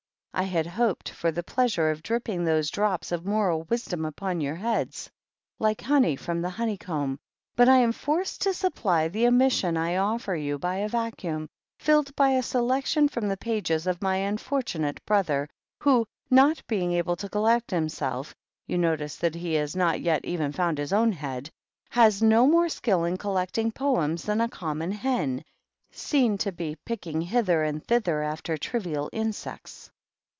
I had . hoped for the pleasure of dripping those drops of moral wis dom upon your heads, like honey from the honey comb, but I am forced to supply the omission I offer you by a vacuum, filled by a selection from the pages of my unfortunate Brother, who, not being able to collect himself (you notice that he has not yet even found his own head), has no more skill in collecting Poems than a common hen, seen to be picking hither and thither after trivial insects.